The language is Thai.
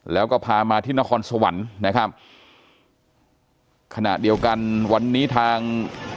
แล้วก็พามาที่นครสวรรค์นะครับขณะเดียวกันวันนี้ทาง